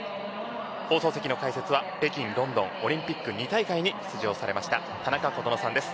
放送席の解説は北京、ロンドンオリンピックの２大会に出場されました田中琴乃さんです。